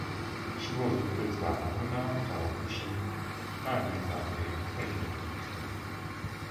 She was replaced by Haruna Kawaguchi five days after being taken into custody.